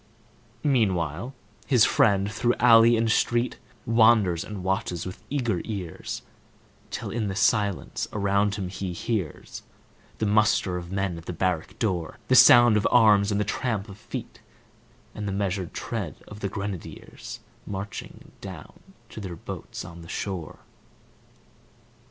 Meanwhile, his friend, through alley and street, Wanders and watches with eager ears, Till in the silence around him he hears The muster of men at the barrack door, The sound of arms, and the tramp of feet, And the measured tread of the grenadiers, Marching down to their boats on the shore.